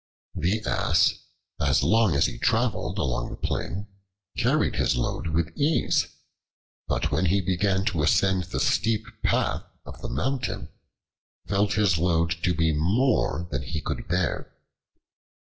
The Ass, as long as he traveled along the plain, carried his load with ease, but when he began to ascend the steep path of the mountain, felt his load to be more than he could bear.